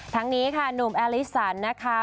ทั้งนี้ค่ะหนุ่มแอลิสันนะคะ